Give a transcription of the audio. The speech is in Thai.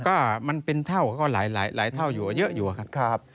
ก็มันเป็นเท่าก็หลายเท่าอยู่เยอะอยู่ครับ